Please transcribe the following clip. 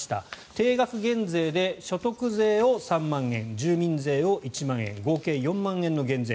定額減税で所得税を３万円住民税を１万円合計で４万円の減税。